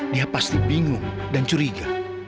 dia pasti bingung dan curiga